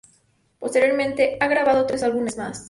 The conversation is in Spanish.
Posteriormente han grabado tres álbumes más.